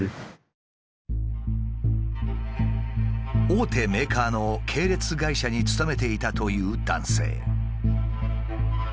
大手メーカーの系列会社に勤めていたという男性。